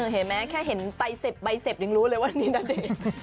เห็นไหมแค่เห็นไตเสบใบเสบยังรู้เลยว่านี่นาเดชน์